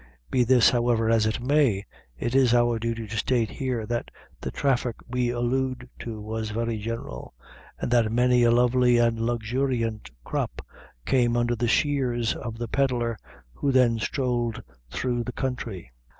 Be this, however, as it may, it is our duty to state here that the traffic we allude to was very general, and that many a lovely and luxuriant crop came under the shears of the pedlars who then strolled through the country.